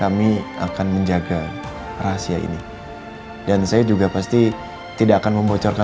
aku ini gak sabar